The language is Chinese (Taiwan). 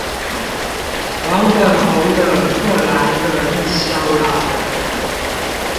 黃的紅的各來個一箱啦